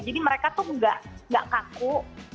jadi mereka tuh nggak kaku